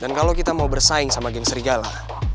dan kalo kita mau bersaing sama geng serialah